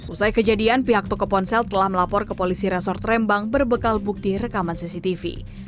usai kejadian pihak toko ponsel telah melapor ke polisi resort rembang berbekal bukti rekaman cctv